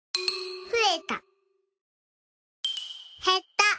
へった。